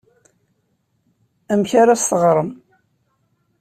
Amek ara as-teɣrem?